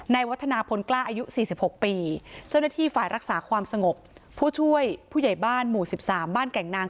วัฒนาพลกล้าอายุ๔๖ปีเจ้าหน้าที่ฝ่ายรักษาความสงบผู้ช่วยผู้ใหญ่บ้านหมู่๑๓บ้านแก่งนาง